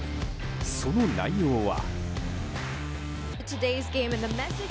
その内容は。